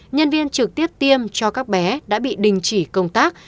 nhân viên trực tiếp tiêm cho các bé đã bị đình chỉ công tác